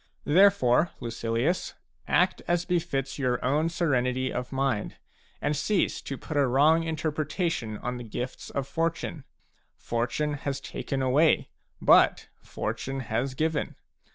Therefore, Lucilius, act as befits your own serenity of mind, and cease to put a wrong interpre tation on the gifts of Fortune. Fortune has taken away, but Fortune has given.